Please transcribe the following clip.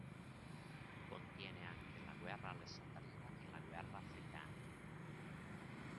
Contiene anche La guerra alessandrina e La guerra africana.